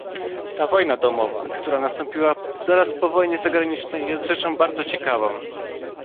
"Ta wojna domowa, która nastąpiła zaraz po wojnie zagranicznej, jest rzeczą bardzo ciekawą."